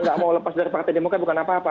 gak mau lepas dari partai demokrat bukan apa apa